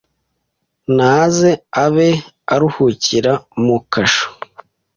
naze abe aruhukira mu kasho